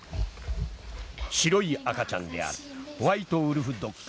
白い赤ちゃんであるホワイトウルフドッグ。